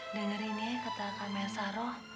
dengerin ya kata kamer saroh